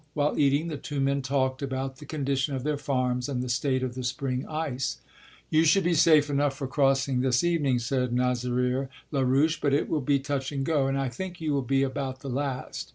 While eating, the two men talked about the condition of their farms and the state of the spring ice. "You should be safe enough for crossing this evening," said Nazaire Larouche, "but it will be touch and go, and I think you will be about the last.